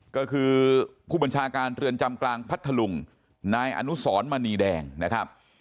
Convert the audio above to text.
ก็คือผู้บัญชาการเรือนจำกลางพัทธลุงนายอนุสรมณีแดงนะครับ